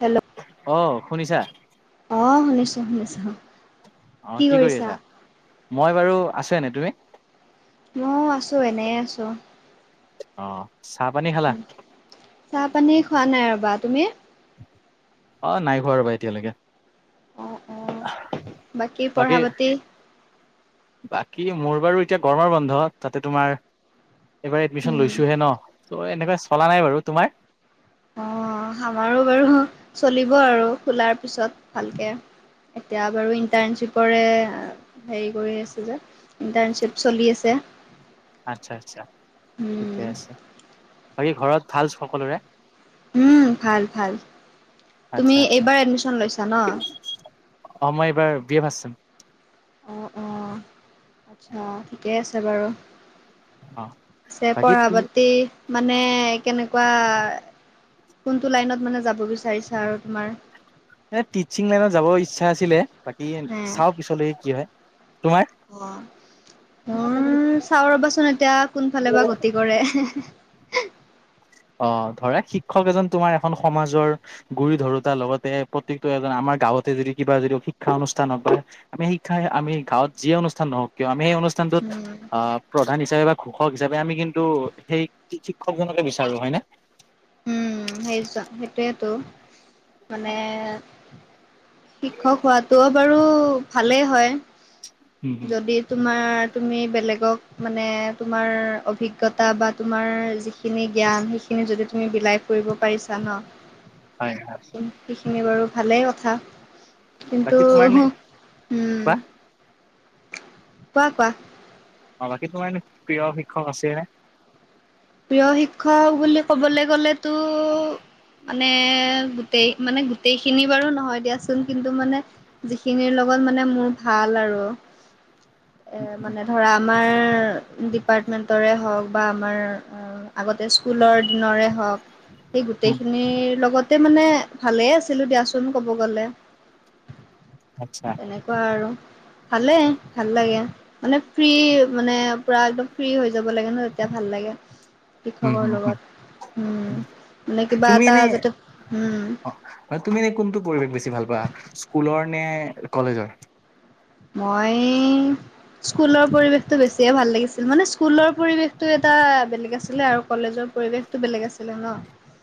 Hello অঁ শুনিছা? অ শুনিছোঁ শুনিছোঁ। অ কি কৰি আছা? মই বাৰু আছো এনে তুমি? মই আছোঁ এনেই আছোঁ। অ চাহ পানী খালা? চাহপানী খোৱা নাই ৰ'বা তুমি? অ নাই খোৱা আৰু বা এতিয়ালৈকে। অ অ পঢ়া বাকী? পাতি বাকী মোৰ বাৰু এতিয়া গৰমৰ বন্ধ তাতে তোমাৰ এইবাৰ এডমিশ্যন উম লৈছোঁহে ন ত' এনেকুৱৈ চলা নাই বাৰু। তোমাৰ? অ আমাৰো বাৰু চলিব আৰু খোলাৰ পিছত ভালকে। এতিয়া বাৰু ইণ্টাৰ্ণশ্বিপৰে হেৰি কৰি আছো যে, ইণ্টাৰ্ণশ্বিপ চলি আছে। আচ্ছা আচ্ছা ঠিকে উম আছে, বাকী ঘৰত ভাল সকলোৰে? উম ভাল ভাল, তুমি আচ্ছা আচ্ছা এইবাৰ এডমিশন লৈছা ন? অ মই এইবাৰ বিয় ভাচ- অঁ অঁ, আচ্ছা অঁ ঠিকেই আছে বাৰু- অ পিছে বাকী পঢ়া তুমি পতি মানে কেনেকুৱা? কোনটো লাইনত মানে যাব বিচাৰিছা আৰু তোমাৰ? এ টিচিং লাইনত যাব ইচ্ছা আছিলে বাকী হে চাও পিছলৈকে কি হয়। তোমাৰ অহ, মোৰ চাও ৰবাচোন এতিয়া কোনফালে বা গতি কৰে। অ ধৰা শিক্ষক এজন তোমাৰ এখন সমাজৰ- গুৰি ধৰোতাৰ লগতে প্ৰত্যেকটো এজন আমাৰ গাঁৱতে যদি কিবা যদি শিক্ষা অনুষ্ঠান নাপাই- আমি শিক্ষাই আমি গাঁৱত যিয়ে অনুষ্ঠান নহওক কিয় আমি সেই অনুষ্ঠানটোত- উম অ প্ৰধান হিচাপে বা ঘোষক হিচাপে আমি কিন্তু সেই শিক্ষকজনকে বিচাৰো হয় ন? সেইচোৱা সেইটোৱেতো, মানে- শিক্ষক হোৱাতটো বাৰু ভালেই হয়, উম হম যদি- তোমাৰ তুমি বেলেগক মানে তোমাৰ অভিজ্ঞতা - অভিজ্ঞতা বা তোমাৰ যিখিনি জ্ঞান সেইখিনি যদি তুমি বিলাই- কৰিব পাৰিছা ন, হয় হয় সেইখিনি বাৰু ভালেই কথা। কিন্তু, বাকী তোমাৰ নে উম। বা কোৱা কোৱা? অঁ বাকী তোমাৰ, এনে প্ৰিয় শিক্ষক আছে নে? প্ৰিয় শিক্ষক বুলি ক'বলৈ গ'লেতো- মানে গোটেই মানে গোটেইখিনি বাৰু নহয় দিয়াচোন কিন্তু মানে- যিখিনিৰ লগত মানে মোৰ ভাল আৰু- মানে ধৰা আমাৰ ডিপাৰ্টমেণ্টৰে হওক বা আমাৰ- আগতে স্কুলৰ দিনৰে হওক, সেই উম গোটেইখিনিৰ লগত- তাতে মানে ভালে আছিলো দিয়াচোন কব গ'লে। আচ্ছা। কোৱা আৰু? ভালে ভাল লাগে- মানে ফ্ৰী মানে পুৰা একদম ফ্ৰী হৈ যাব লাগে ন তেতিয়া ভাল লাগে। উম শিক্ষকৰ হুম হুম লগত, উমঁ, মানে কিবা এটা যাতে উম- হয় তুমি এনেই কোনটো পৰিৱেশ বেছি ভাল পোৱা, স্কুলৰ নে কলেজৰ? মই স্কুলৰ পৰিৱেশতটো বেছি- এতিয়া ভাল লাগিছিল মানে স্কুলৰ পৰিৱেশটো এটা বেলেগ আছিলে আৰু কলেজৰ পৰিৱেশতটো বেলেগ আছিলে ন।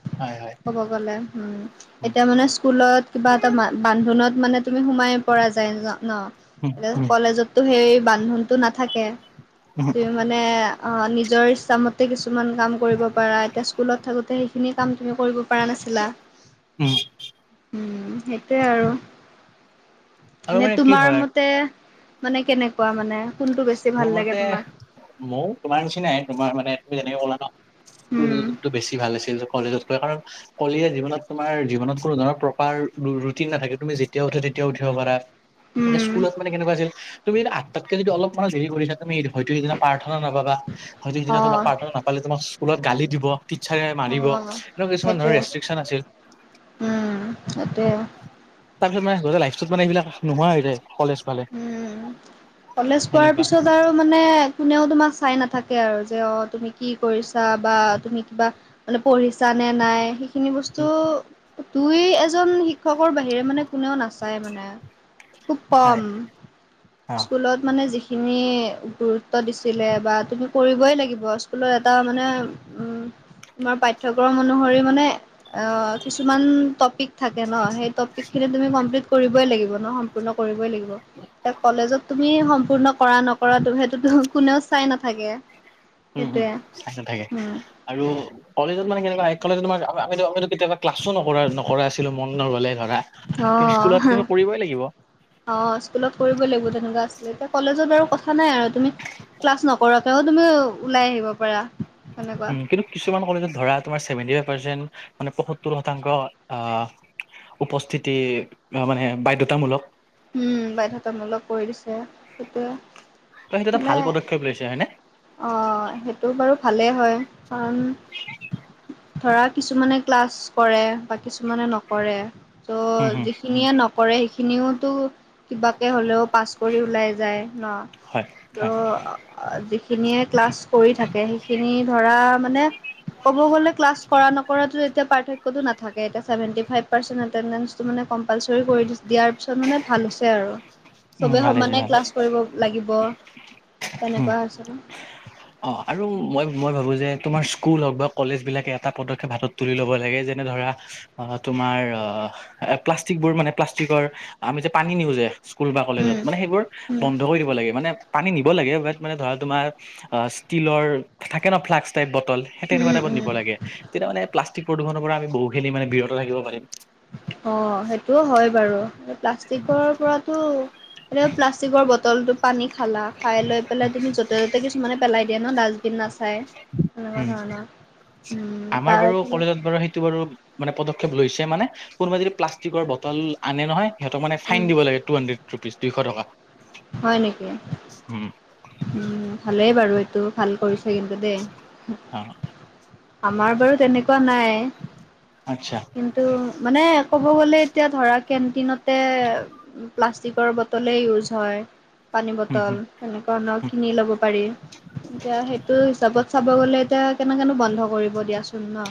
[unintelligible] হয় হয়। ক'ব গ'লে উম উম এতিয়া মানে স্কুলত কিবা এটা ম- বান্ধোনত মানে তুমি সোমাই পৰা যায় ন, উম এতিয়া উম কলেজত- টো সেই বান্ধোনটো নাথাকে, উম তোমাৰ- মানে নিজৰ ইচ্ছামতে কিছুমান কাম কৰিব পাৰা এতিয়া স্কুলত থাকোঁতে সেইখিনি কাম তুমি কৰিব পা- পাৰা নাছিলা, উম উম সেইটোৱে আৰু- আৰু মানে কি তোমাৰ হয় মতে, মানে কেনেকুৱা মানে কোনটো বেছি মোৰ ভাল মতে লাগে তোমাৰ? ময়ো তোমাৰ নিচিনাই তোমাৰ মানে তুমি যেনেকে ক'লা ন, উম, স্কুলতটো বেছি ভাল আছিল। কলেজত কাৰণ- কলিয়ে জীৱনত তোমাৰ জীৱনত কোনো ধৰণৰ প্ৰকাৰ ৰুটিন নাথাকে তুমি যেতিয়া উঠে তেতিয়াও উঠিব পাৰা। এতিয়া উম। স্কুলত মানে কেনেকুৱা আছিল তুমি আটতকে যদি অলপ- মানে দেৰি কৰিছা তুমি হয়তো সিদিনা প্ৰাৰ্থনা নাপাবা হয়তো সিদিনা তোমাক অ', প্ৰাৰ্থনা নাপালে তোমাক- কুলত গালি দিব। টিটছাৰে মাৰিব অ', এনেকুৱা কিছুমান ধৰ সেইটোৱে ৰেষ্ট্ৰিকচন আছিল। উম, সেইটোৱে তাপিছত মানে লাইফচটোত মানে এইবিলাক নোহোৱা হৈ যায় কলেজ পালে। উম। কলেজ পোৱাৰ সেনেকুৱা পিছত আৰু মানে- কোনেও তোমাক চাই নাথাকে আৰু যে অ তুমি কি কৰিছা বা তুমি কিবা- মানে পঢ়িছা নে নাই- সেইখিনি বস্তু উম দুই এজন শিক্ষকৰ বাহিৰে মানে কোনেও নাচায় মানে। খুব হয় কম অ স্কুলত মানে যিখ- খিনি গুৰুত্ব দিছিলে বা তুমি কৰিবই লাগিব। হলো এটা মানে উম' তোমাৰ পাঠ্যক্ৰম অনুসৰি মানে অঁ কিছুমান টপিক- থাকে ন সেই টপিকখিনি তুমি কমপ্লিট কৰিবই লাগিব ন সম্পূৰ্ণ কৰিবই লাগিব। [unintelligible] এ কলেজত তুমি সম্পূৰ্ণ কৰা নকৰাটো সেইটোটো কোনেও চাই নাথাকে। উম উম সেইটোৱে চাই নাথাকে উম আৰু- কলেজত মানে কেনেকুৱা কলেজত তোমাৰ আমিতো আমিটো কেতিয়াবা ক্লাছো নকৰা নকৰা আছিলো মন নগলে ধৰা। ত স্কুলত তুমি কৰিবৈই লাগিব। অঁ স্কুলত কৰিব লাগিব তেনেকুৱা আছিলে এতিয়া কলেজত আৰু কথা নাই আৰু তুমি- ক্লাছ নকৰাকেও তুমি ওলাই আহিব পাৰা। তেনেকুৱা। উম, কিন্তু- কিছুমান কলেজত ধৰা তুমাৰ ছেভেন্টি ফাইভ পাৰ্চেন্ট মানে পয়সত্তৰ শতাংশ আহ- উপস্থিতি মানে বাধ্যতামূলক। উম বাধ্যতামূলক কৰি দিছে সেইটোয়ে। ত সেইটো এটা ভাল পদক্ষেপ লৈছে হয় নে। অঁ সেইটো বাৰু ভালেই হয় কাৰণ- ধৰা কিছুমানে ক্লাছ কৰে বা কিছুমানে নকৰে। ত' উম হম যিখিনিয়ে নকৰে সেইখিনিওতো কিবাকে হলেও- পাছ কৰি ওলাই যায় ন, হয় হয় ত- যিখিনিয়ে ক্লাছ কৰি থাকে সেইখিনি ধৰা মানে ক'ব গলে ক্লাছ কৰা নকৰাটো এতিয়া পাৰ্থকয় এতিয়খ ছেভেণ্টি ফাইভ- পাৰ্চেন এটেডেন্সটো মানে কম্পালচৰি কৰি দিয়াৰ- ছত মানে ভাল হৈছে আৰু উম চবে ভাল হৈছে সমানে ভাল ক্লাছ কৰিব লাগিব। তেনেকুৱা হৈছে। অঁ আৰু মই মই ভাবো যে তোমাৰ স্কুল হওক বা কলেজ বিলাকে এটা পদক্ষেপ হাতত- তুলি ল'ব লাগে যেনে ধৰা, অঁ তোমাৰ অঁ এ প্লাষ্টিক বোৰ মানে প্লাষ্টিকৰ আমি যে পানী নিওঁ যে- স্কুল বা কলেজত উম মানে সেইবোৰ উম বন্ধ কৰি দিব লাগে মানে পানী নিব লাগে বাত মানে ধৰা তোমাৰ- অ ষ্টীলৰ থাকে ন ফ্লাক্কচ টাইপ বটল সেই তেনেকুৱা উম টাইপত উম নিব লাগে। তেতিয়া মানে প্লাষ্টিক প্ৰদূষণৰ পৰা আমি বহুখিনি মান বিৰত থাকিব পাৰিম। অঁ সেইটোও হয় বাৰু প্লাষ্টিকৰ পৰাতো- মানে প্লাষ্টিকৰ বটল টো পানী- খালা খাই লৈ পেলাই তুমি যতে ত'তে কিছুমানে পেলাই দিয়া ন ডাষ্টবিন নাচাই। তেনেকুৱা উম ধৰণৰ উম তাৰফলত- অ সেইটো বাৰু মানে পদক্ষেপ লৈছে মানে কোনোবাই যদি প্লাষ্টিকৰ বটল আনে নহয় সিহঁতক মানে উম, ফাইন দিব লাগে টু হাইড্ৰেট ৰুপিচ দুইশ টকা হয় নেকি উম উম ভালেই বাৰু এইটো ভাল কৰিছে কিন্তু দেই অ আমাৰ বাৰু তেনেকোৱা নাই আচ্ছা কিন্তু মানে ক'ব গ'লে এতিয়া ধৰা কেনটিনতে প্লাষ্টিকৰ বটলেই ইউজ হয় পানী উম বটল হম এনেকোৱা ধৰণৰ কিনি লব পাৰি এতিয়া সেইটো হিচাপত চাব গলে এতিয়া কেনেকেনো বন্ধ কৰিব দিয়াচোন ন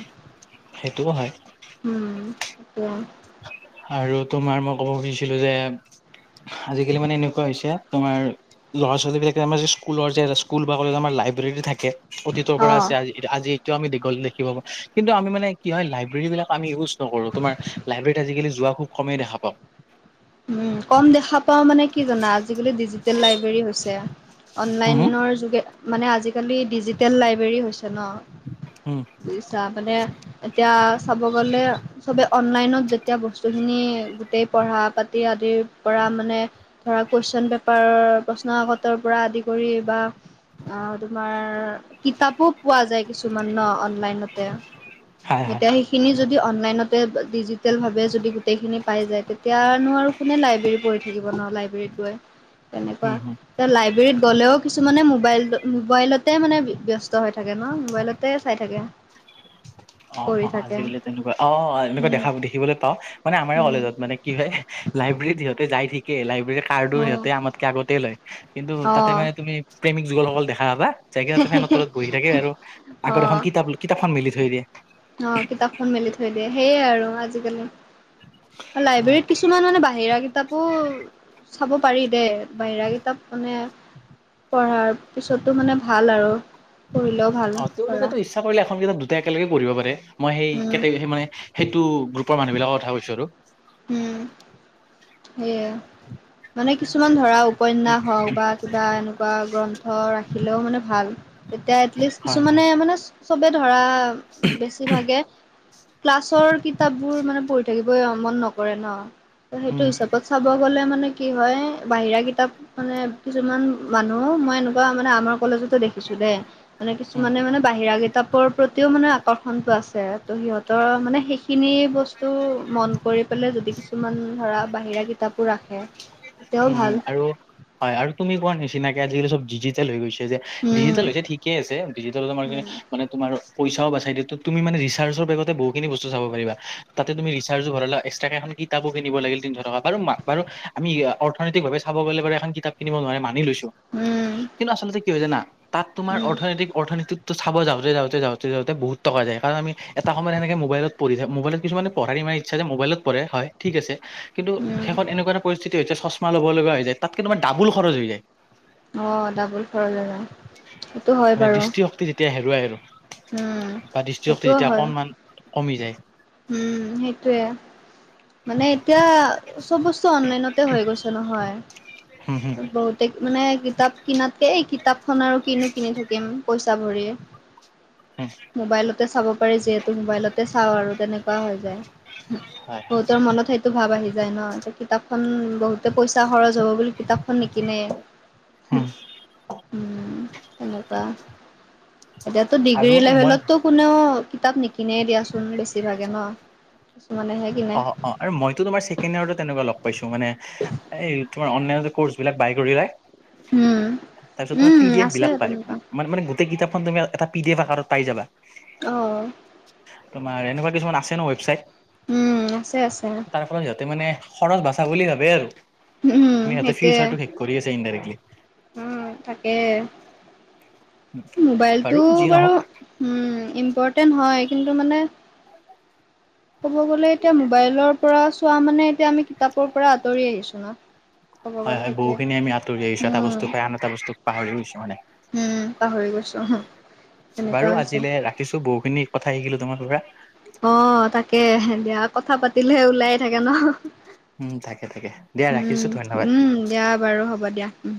সেইটোও হয় উম দিয়া আৰু তোমাৰ মই কব খুজিছিলো যে আজিকালি মানে এনেকোৱা হৈছে তোমাৰ ল'ৰা ছোৱালী বিলাকে আমাৰ স্কুলৰ যে স্কুল বা কলেজ আমাৰ লাইব্ৰেৰী থাকে অতীতৰ পৰা আছে অ'। আজি আজি এটোও আমি দেখিব পা কিন্তু আমি মানে কি হয় লাইব্ৰেৰী বিলাক আমি ইউজ নকৰো তোমাৰ লাইব্ৰেৰীত আজিকালি যোৱা খুব কমেই দেখা পাও উ কম দেখা পাও মানে কি জানা আজিকালি ডিজিটেল লাইব্ৰেৰী হৈছে হম হম অনলাইনৰ যোগে মানে আজিকালি ডিজিটেল লাইব্ৰেৰী হৈছে ন উম বুজিছা মানে এতিয়া চাব গলে চবে অনলাইনত যেতিয়া বস্তুখিনি গোটেই পঢ়া বাত সেই আদিৰ পৰা মানে ধৰা কুৱেশন পেপাৰৰ প্ৰশ্নকাকতৰ পৰা আদি কৰি বা অহ তোমাৰ কিতাপো পোৱা যায় কিছুমান ন অনলাইনতে হয় হয় এতিয়া সেই খিনি যদি অনলাইনতে ডিজিটেলভাৱে যদি গোটেইখিনি পাই যায় তেতিয়া মানুহ আৰু কোনে লাইব্ৰেৰী পঢ়ি থাকিব ন লাইব্ৰেৰীত গৈ তেনেকোৱা উম হম এ লাইব্ৰেৰীত গ'লেও কিছুমানে মোবাইলতো মোবাইলতে মানে ব্যস্ত হৈ থাকে ন মোবাইল তে চাই থাকে অ পঢ়ি অ থাকে আজিকালি তেনেকোৱা অ অ এনেকোৱা উম দেখা দেখিবলৈ পাও মানে আমাৰে উম কলেজত মানে কি হয় লাইব্ৰেৰীত সিহঁতে যাই ঠিকে লাইব্ৰেৰীত কাৰ্ডো অ সিহঁতে আমাতকে আগতেই লয় কিন্তু অ তাতে মানে তুমি প্ৰেমিক যুগলসকল দেখা পাবা যাই কিনে ফেনৰ তলত বহি থাকে আৰু অ আগত এখন কিতাপ কিতাপখন মিলি থৈ দিয়ে অ কিতাপখন মেলি থৈ দিয়ে সেইয়ে আৰু আজিকালি অ লাইব্ৰেৰীত কিছু কিছুমান মানে বাহিৰা কিতাপো চাব পাৰি দেই বাহিৰা কিতাপ মানে পঢ়াৰ পিছতো মানে ভাল আৰু পঢ়িলেও ভাল পঢ়া মন কৰিলে এখন কিতাপ দুটাই একেলগে পঢ়িব পাৰে মই সেই উম কেটেগৰি মানে সেইটো গ্ৰুপৰ মানুহবিলাকৰ কথা কৈছো আৰু উম সেয়ে মানে কিছুমান ধৰা উপন্যাস হওক বা কিবা এ বা গ্ৰন্থ ৰাখিলেও মানে ভাল তেতিয়া এটলিষ্ট হয় কিছুমানে হয় মানে চবে ধৰা বেচি ভাগে ক্লাছৰ কিতাপবোৰ মানে পঢ়ি থাকিবই মন ন কৰে ন সেইটো উম হিচাপত চাব গলে মানে কি হয় বাহিৰা কিতাপ মানে কিছুমান মানুহ মই এনেকোৱা মানে আমাৰ কলেজতে দেখিছো দেই মানে উম কিছুমানে মানে বাহিৰা কিতাপৰ প্ৰতিও মানে আকৰ্ষণটো আছে ত' সিহঁতৰ মানে সেই খিনি বস্তু মন কৰি পেলাই যদি কিছুমান ধৰা বাহিৰা কিতাপ উম আৰু হয় আৰু তুমি কোৱা নিচিনাকে আজিকালি চব ডিজিটেল হৈ গৈছে যে। উম ডিজিটেল হৈছে ঠিকে আছে ডিজিটেল হৈ আমাৰ কেনে উম মানে তোমাৰ পইচাও বাচাই দিয়ে তু তুমি মানে ৰিচাৰ্জো বেগতে বহুখিনি বস্তু চাব পাৰিবা। তাতে তুমি ৰিচাৰ্জো ভৰালা এক্সট্ৰাকে এখন কিতাপো কিনিব লাগিল তিনশ টকা বাৰু মা বাৰু আমি অৰ্থনৈতিক ভাৱে চাব গ'লে বাৰু এখন কিতাপ কিনিব নোৱাৰে মানি লৈছোঁ। উম কিন্তু আচলতে কি হয় জানা তাত তোমাৰ উম অৰ্থনৈতিক অৰ্থনীতিত টো চাব যাওঁতে যাওঁতে যাওঁতে যাওঁতে বহুত টকা যায় কাৰণ আমি এটা সময়ত হেনেকে মোবাইলত পঢ়ি থা মোবাইলত কিছুমানে পঢ়াৰ ইমান ই ইচ্ছা যে মোবাইলত পঢ়ে হয় ঠিক আছে কিন্তু উম শেষত এনেকুৱা এটা পৰিস্থিতি এতিয়া চ্ছমা ল'ব লগা হৈ যায় তাতকে তোমাৰ ডাবুল খৰচ হৈ যায়। অ ডাবুল খৰচ হৈ যায়। মানে দৃষ্টিশক্তি যেতিয়া হেৰুৱাই আৰু। উম বা দৃষ্টিশক্তি সেইটোও যেতিয়া হয় অকনমান কমি যায়। উম সেইটোৱে। মানে এতিয়া চব বস্তু অনলাইনতে হৈ গৈছে নহয়। হুম হুম। বহুতে মানে কিতাপ কিনাতকে এই কিতাপখন আৰু কিনো কিনি থাকিম। পইচা ভৰি হুম মোবাইলতে চাব পাৰি যিহে তু মোবাইলতে চাওঁ আৰু তেনেকুৱা হৈ যায়। হয় হয় বহুতৰ মনত সেই টো ভাব আহি যায় ন এতিয়া কিতাপখন বহুতে পইচা খৰচ হ'ব বুলি কিতাপখন নিকিনে। হোঁ হুম উম, তেনেকুৱা এতিয়াতো আৰু ডিগ্ৰী মই লেভেলতটো কোনেও কিতাপ নিকিনে দিয়াচোন বেছিভাগে ন? কিছুমানেহে কিনে অ অ আৰু মইতো তোমাৰ ছেকেণ্ড ইয়েৰটো তেনেকুৱা লগ পাইছোঁ মানে এই তোমাৰ অনলাইনতে কৌৰ্চ বিলাক বায় কৰি লয়। উম তাৰপিছত তোমাৰ উম পি ডি এফ আছে বিলাক পায় তেনেকুৱা। মানে মানে গো গোটেই কিতাপখন তুমি এটা পি ডি এফ আকাৰত পাই যাবা। অহ। তোমাৰ এনেকুৱা কিছুমান আছে ন ৱেবচাইট। উম আছে আছে। তাৰ ফলত সিহঁতে মানে খৰচ বাচা বুলি ভাবে আৰু উম, কিন্তু সিহঁতে সেইটোৱে ফিউচাৰটো শেষ কৰি আছে ইনদাইৰেকলী। উম তাকে, বাৰু মোবাইলটো যি বাৰু নহওক উম ইম্পৰ্টেণ্ট হয় কিন্তু মানে [unintelligible] ক'ব গ'লে এতিয়া মোবাইলৰ পৰা চোৱা মানে এতিয়া আমি কিতাপৰ পৰা আঁতৰি আহিছোঁ না। হয় হয় বহুখিনি আমি আঁতৰি আহিছোঁ এটা উম, বস্তু পাই আন এটা বস্তু পাহৰি গৈছোঁ মানে। উম পাহৰি গৈছোঁ উমহ। বাৰু আজিলে ৰাখিছোঁ বহুখিনি কথা শিকিলোঁ তোমাৰ পৰা। অহ তাকেহে বেয়া কথা পাতিলে ওলায়ে থাকে ন? উম থাকে থাকে দিয়া উম, ৰাখিছোঁ ধন্যবাদ। উম, দিয়া বাৰু হ'ব দিয়া উম।